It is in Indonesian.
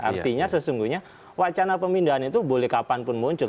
artinya sesungguhnya wacana pemindahan itu boleh kapanpun muncul